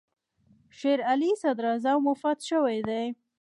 د شېر علي صدراعظم وفات شوی دی.